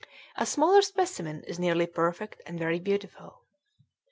A smaller specimen is nearly perfect and very beautiful.